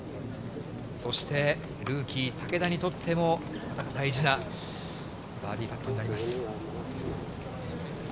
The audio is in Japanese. そして、ルーキー、竹田にとっても、大事なバーディーパットになります。